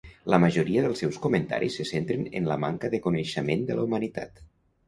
La majoria dels seus comentaris se centren en la manca de coneixement de la humanitat.